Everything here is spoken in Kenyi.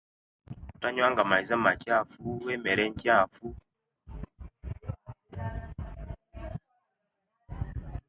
Butanywanga maizi amakyaffu ne'mere enkyaffu.